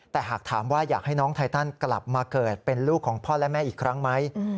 แต่หากถามว่าอยากให้น้องไทตันกลับมาเกิดเป็นลูกของพ่อและแม่อีกครั้งไหม